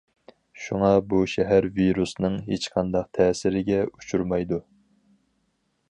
شۇڭا بۇ شەھەر ۋىرۇسنىڭ ھېچقانداق تەسىرىگە ئۇچۇرمايدۇ.